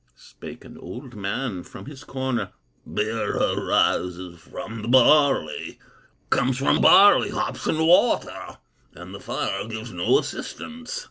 Spake an old man from his corner: "Beer arises from the barley, Comes from barley, hops, and water, And the fire gives no assistance.